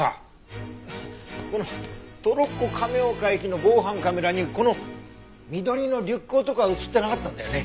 このトロッコ亀岡駅の防犯カメラにこの緑のリュック男は映ってなかったんだよね？